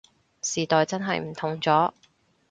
時代真係唔同咗